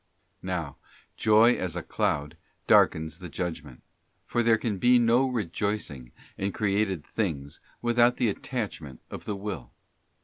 Now Joy as a cloud darkens the judgment, for there can be no rejoicing in created things without the attachment of the Will.